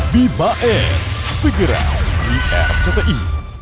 biba s figurant di rti